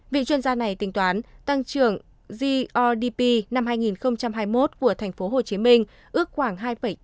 vị chuyên gia này tính toán tăng trưởng grdp năm hai nghìn hai mươi một của tp hcm ước khoảng hai tám